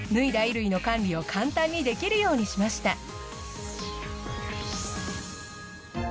衣類の管理を簡単にできるようにしました。